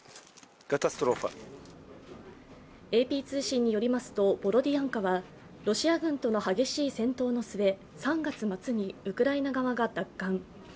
ＡＰ通信によりますとボロディアンカは、ロシア軍との激しい戦闘の末、３月末にウクライナ側が奪還。